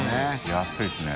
安いですね。